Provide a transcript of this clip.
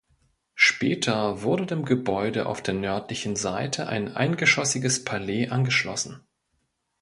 Später wurde dem Gebäude auf der nördlichen Seite ein eingeschossiges Palais angeschlossen.